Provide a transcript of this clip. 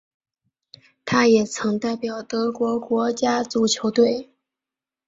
他也曾代表德国国家足球队。